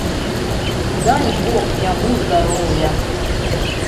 Дай бог яму здароўя!